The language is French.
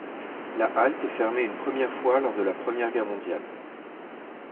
La halte est fermée une première fois lors de la Première Guerre mondiale.